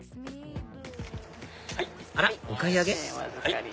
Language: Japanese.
あらお買い上げ？